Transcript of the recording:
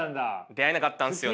出会えなかったんですよね。